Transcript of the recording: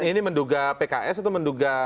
ini menduga pks atau menduga